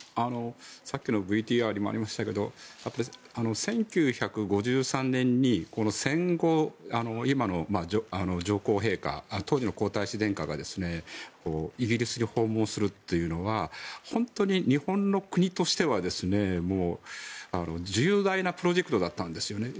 さっきのＶＴＲにもありましたが１９５３年に戦後今の上皇陛下当時の皇太子殿下がイギリスを訪問するというのは本当に日本の国としては重大なプロジェクトだったんです。